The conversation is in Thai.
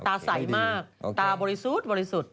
ตาใสมากตาบริสุทธิ์บริสุทธิ์